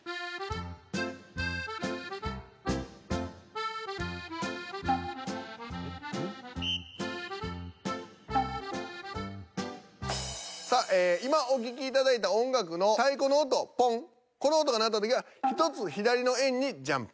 まずはさあ今お聴きいただいた音楽のこの音が鳴った時は１つ左の円にジャンプ。